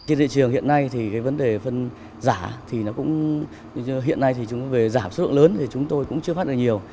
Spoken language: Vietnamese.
trên địa trường hiện nay vấn đề phân giả hiện nay về giảm số lượng lớn thì chúng tôi cũng chưa phát được nhiều